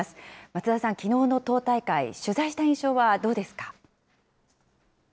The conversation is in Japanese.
松田さん、きのうの党大会、取材した印象はどうですか。